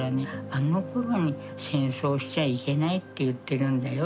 「あの頃に戦争しちゃいけないって言ってるんだよ」